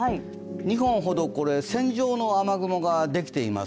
２本ほど線状の雨雲ができています。